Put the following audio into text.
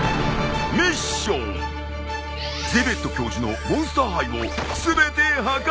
ゼベット教授のモンスター胚を全て破壊せよ。